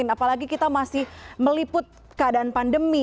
apalagi kita masih meliput keadaan pandemi